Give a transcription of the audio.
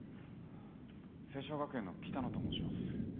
晴鐘学園の北野と申します。